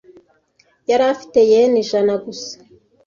Yari afite yen ijana gusa .